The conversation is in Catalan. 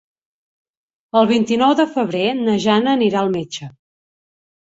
El vint-i-nou de febrer na Jana anirà al metge.